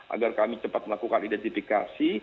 agar kami cepat melakukan identifikasi